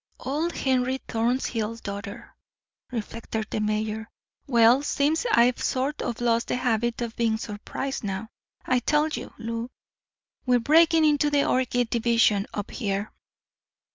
"Old Henry Thornhill's daughter," reflected the mayor. "Well, seems I've sort of lost the habit of being surprised now. I tell you, Lou, we're breaking into the orchid division up here."